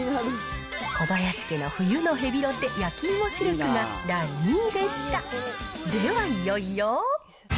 小林家の冬のヘビロテ、焼き芋しるくが第２位でした。